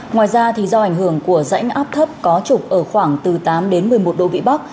ngoài ra do ảnh hưởng của rãnh áp thấp có trục ở khoảng từ tám đến một mươi một độ vị bắc